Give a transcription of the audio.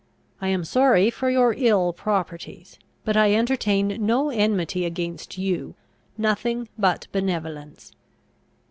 I am sorry for your ill properties; but I entertain no enmity against you, nothing but benevolence.